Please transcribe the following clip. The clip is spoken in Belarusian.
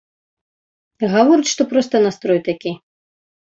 Гаворыць, што проста настрой такі.